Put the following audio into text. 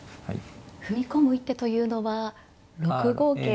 踏み込む一手というのは６五桂と。